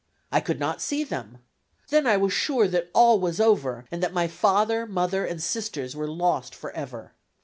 I could not see them! Then I was sure that all was over, and that my father, mother, and sisters were lost forever.